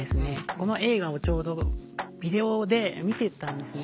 この映画をちょうどビデオで見てたんですね。